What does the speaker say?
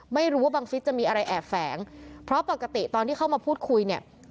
ไม่รู้ว่าบังฟิศจะมีอะไรแอบแฝงเพราะปกติตอนที่เข้ามาพูดคุยเนี่ย